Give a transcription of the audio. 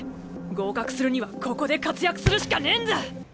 合格するにはここで活躍するしかねえんだ！